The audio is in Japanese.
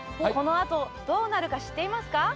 このあとどうなるか知っていますか？